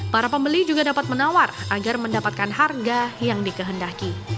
para pembeli juga dapat menawar agar mendapatkan harga yang dikehendaki